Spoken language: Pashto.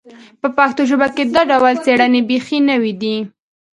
په پښتو ژبه کې دا ډول څېړنې بیخي نوې دي